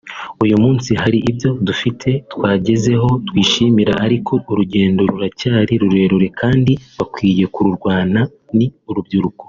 uyu munsi hari ibyo dufite twagezeho twishimira ariko urugendo ruracyari rurerure kandi bakwiye kururwana ni urubyiruko